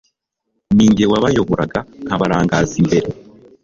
ni jye wabayoboraga, nkabarangaza imbere